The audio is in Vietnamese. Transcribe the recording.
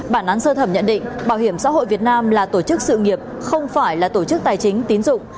bản án sơ thẩm nhận định bảo hiểm xã hội việt nam là tổ chức sự nghiệp không phải là tổ chức tài chính tín dụng